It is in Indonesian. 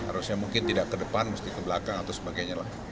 harusnya mungkin tidak ke depan mesti ke belakang atau sebagainya lah